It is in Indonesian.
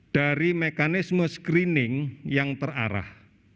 dari mekanisme screening yang terarah